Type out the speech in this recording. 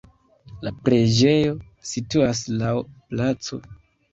La preĝejo situas laŭ placo.